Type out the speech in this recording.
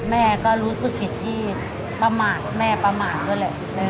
แม่ก็รู้สึกผิดที่ประมาทแม่ประมาทด้วยแหละ